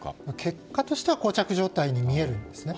結果としては膠着状態に見えるんですね。